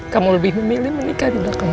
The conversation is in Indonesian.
kamu lebih memilih menikah dengan kamu